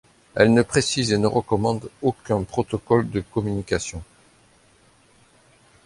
Elle ne précise et ne recommande aucun protocole de communication.